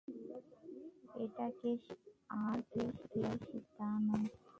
এটা কে শিকার আর কে শিকারি তা নয়।